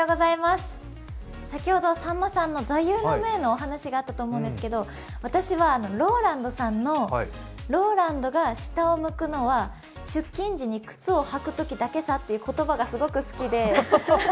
先ほどのさんまさんの座右の銘のお話があったと思うんですけど私はローランドさんの、「ローランドが下を向くのは出勤時に靴を履くときだけさ」という言葉がすごく好きで。